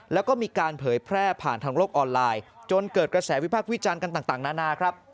และมีการเผยแพร่ผ่านทางโลกออนไลน์จนเกิดกระแสวิภาพวิจัณฑ์กันต่างหน้า